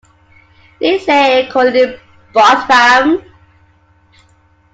Lindsay and Coley Bartram.